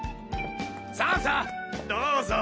さあさあどうぞ！